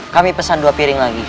kami pesan dua piring lagi